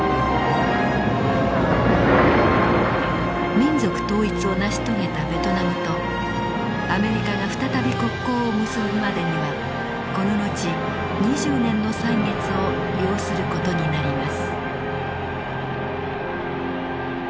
民族統一を成し遂げたベトナムとアメリカが再び国交を結ぶまでにはこの後２０年の歳月を要する事になります。